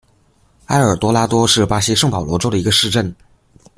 埃尔多拉多是巴西圣保罗州的一个市镇。